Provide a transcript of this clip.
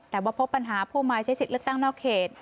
แต่ว่าพบปัญหาผู้มาใช้สิทธิ์เลือกตั้งนอกเขต